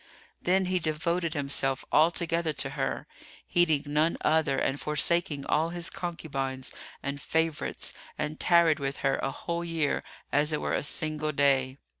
[FN#306] Then he devoted himself altogether to her, heeding none other and forsaking all his concubines and favourites, and tarried with her a whole year as it were a single day.